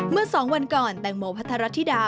เมื่อ๒วันก่อนแตงโมพัทรธิดา